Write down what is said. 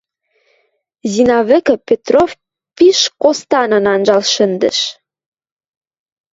Зина вӹкӹ Петров пиш костанын анжал шӹндӹш.